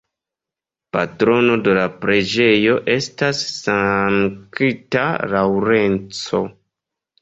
Patrono de la preĝejo estas Sankta Laŭrenco.